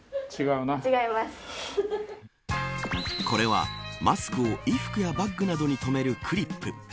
これはマスクを衣服やバッグなどにとめるクリップ。